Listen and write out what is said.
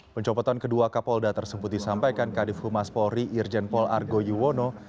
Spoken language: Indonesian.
pencopotan kedua kapolda tersebut disampaikan kadif humas polri irjen pol argo yuwono